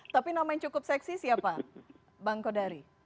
tapi nama yang cukup seksi siapa bang kodari